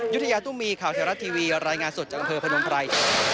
ยุฒิยาตุมีย์ข่าวเทวรัฐทีวีรายงานสุดจากบรรพยาบาลพลัย